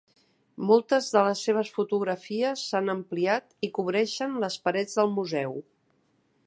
Moltes de les seves fotografies s'han ampliat i cobreixen les parets del museu.